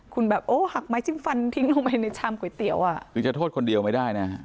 คุณแบบโอ้หักไม้จิ้มฟันทิ้งลงไปในชามก๋วยเตี๋ยวอ่ะคือจะโทษคนเดียวไม่ได้นะฮะ